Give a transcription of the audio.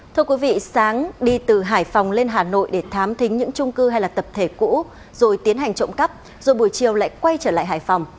thưa quý vị sáng đi từ hải phòng lên hà nội để thám thính những trung cư hay là tập thể cũ rồi tiến hành trộm cắp rồi buổi chiều lại quay trở lại hải phòng